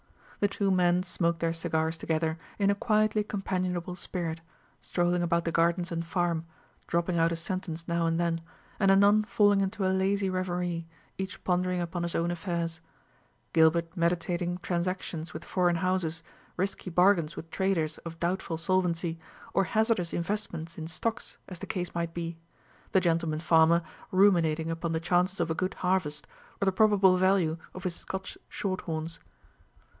The two men smoked their cigars together in a quietly companionable spirit, strolling about the gardens and farm, dropping out a sentence now and then, and anon falling into a lazy reverie, each pondering upon his own affairs Gilbert meditating transactions with foreign houses, risky bargains with traders of doubtful solvency, or hazardous investments in stocks, as the case might be; the gentleman farmer ruminating upon the chances of a good harvest, or the probable value of his Scotch short horns.